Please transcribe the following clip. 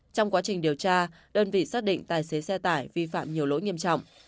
trong quá trình điều tra đơn vị xác định tài xế xe tải vi phạm nhiều lỗi nghiêm trọng